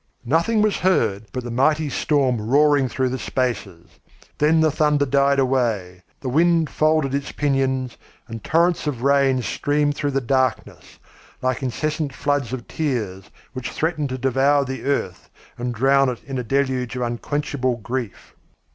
Nothing was heard but the mighty storm roaring through the spaces. Then the thunder died away, the wind folded its pinions, and torrents of rain streamed through the darkness, like incessant floods of tears which threatened to devour the earth and drown it in a deluge of unquenchable grief.